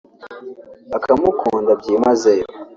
akamukunda byimazeyo